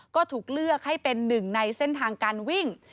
ก็ถูกเลือกให้เป็นหนึ่งในเส้นทางการวิ่ง